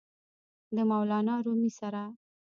د مولانا رومي سره!!!